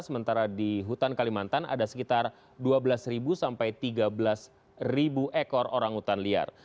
sementara di hutan kalimantan ada sekitar dua belas sampai tiga belas ekor orang hutan liar